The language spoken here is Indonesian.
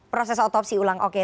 proses otopsi ulang oke